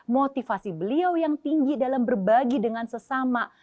motivasi beliau yang tinggi dalam berbagi dengan sesama